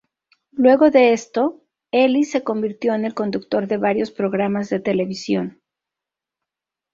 Luego de esto Ellis se convirtió en el conductor de varios programas de televisión.